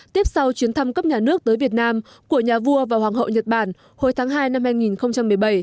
tiếp sau chuyến thăm cấp nhà nước tới việt nam của nhà vua và hoàng hậu nhật bản hồi tháng hai năm hai nghìn một mươi bảy